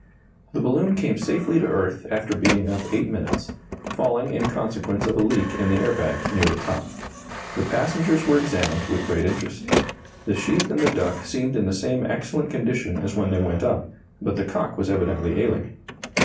The balloon came safely to earth after being up eight minutes falling in consequence of a leak in the air bag near the top. The passengers were examined with great interest. The sheep and the duck seemed in the same excellent condition as when they went up, but the cock was evidently ailing.